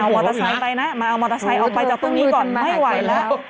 มาเอาไปนะมาเอาออกไปจากตรงนี้ก่อนไม่ไหวแล้ว